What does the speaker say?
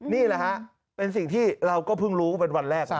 นี่แหละฮะเป็นสิ่งที่เราก็เพิ่งรู้เป็นวันแรก